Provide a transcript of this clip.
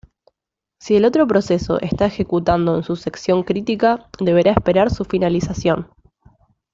Si el otro proceso está ejecutando en su sección crítica, deberá esperar su finalización.